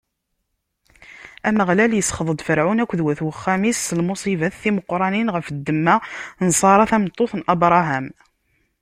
Ameɣlal isxeḍ-d Ferɛun akked wat wexxam-is s lmuṣibat timeqranin ɣef ddemma n Ṣara, tameṭṭut n Abṛaham.